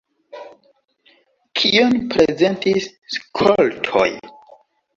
Kion prezentis skoltoj?